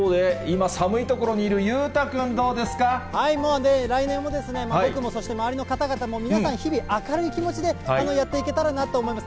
一方で、今、もうね、来年もですね、僕も、そして周りの方々も、皆さん日々、明るい気持ちでやっていけたらなと思います。